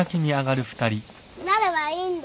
なるはいいんだ。